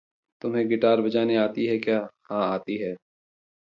"तुम्हें गिटार बजाने आती है क्या?" "हाँ, आती है।"